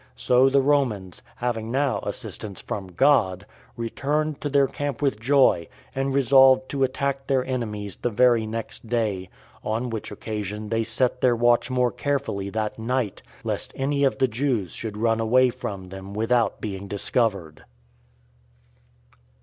So the Romans, having now assistance from God, returned to their camp with joy, and resolved to attack their enemies the very next day; on which occasion they set their watch more carefully that night, lest any of the Jews should run away from them without being discovered.